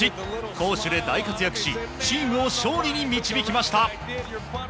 攻守で大活躍しチームを勝利に導きました。